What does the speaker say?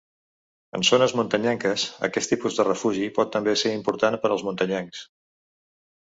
En zones muntanyenques, aquest tipus de refugi pot també ser important per als muntanyencs.